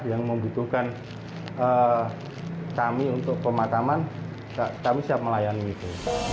yang membutuhkan kami untuk pemakaman kami siap melayani itu